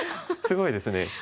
すごいですね。